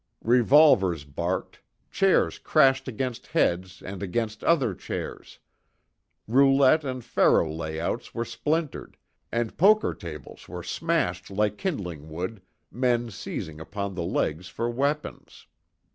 Revolvers barked, chairs crashed against heads and against other chairs. Roulette and faro layouts were splintered, and poker tables were smashed like kindling wood, men seizing upon the legs for weapons.